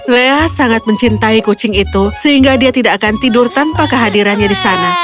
leah sangat mencintai kucing itu sehingga dia tidak akan tidur tanpa kehadirannya di sana